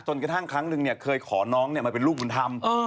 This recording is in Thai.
กระทั่งครั้งหนึ่งเคยขอน้องมาเป็นลูกบุญธรรม